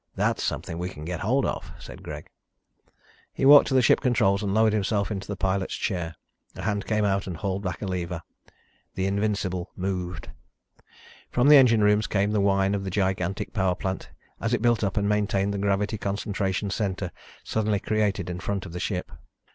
"That's something we can get hold of," said Greg. He walked to the ship controls and lowered himself into the pilot's chair. A hand came out and hauled back a lever. The Invincible moved. From the engine rooms came the whine of the gigantic power plant as it built up and maintained the gravity concentration center suddenly created in front of the ship.